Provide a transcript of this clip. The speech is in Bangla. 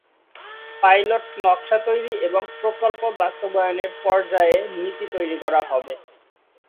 পাইলট নকশা তৈরী এবং প্রকল্প বাস্তবায়নের পর্যায়ে নীতি তৈরি করা হবে।